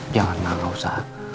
jangan mbak gak usah